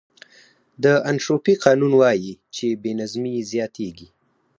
د انټروپي قانون وایي چې بې نظمي زیاتېږي.